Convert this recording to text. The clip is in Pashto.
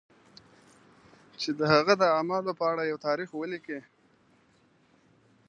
چې د هغه د اعمالو په اړه یو تاریخ ولیکي.